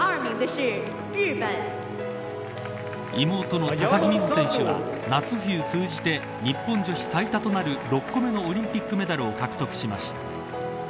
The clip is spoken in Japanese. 妹の高木美帆選手は夏冬通じて日本女子最多となる６個目のオリンピックメダルを獲得しました。